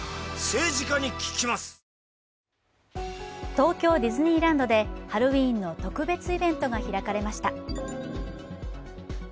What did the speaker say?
東京ディズニーランドでハロウィーンの特別イベントが開かれました。